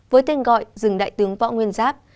với tên gọi rừng đại tướng võ nguyên giáp